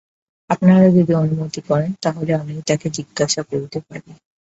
আপনারা যদি অনুমতি করেন তা হলে আমিই তাকে জিজ্ঞাসা করতে পারি।